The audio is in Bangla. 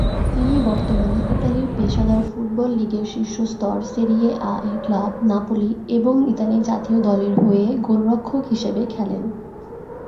তিনি বর্তমানে ইতালির পেশাদার ফুটবল লীগের শীর্ষ স্তর সেরিয়ে আ-এর ক্লাব নাপোলি এবং ইতালি জাতীয় দলের হয়ে গোলরক্ষক হিসেবে খেলেন।